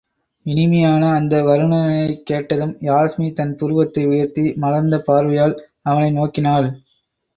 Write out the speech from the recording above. இனிமையான அந்த வருணனையைக் கேட்டதும் யாஸ்மி தன் புருவத்தை உயர்த்தி மலர்ந்த பார்வையால் அவனை நோக்கினாள்.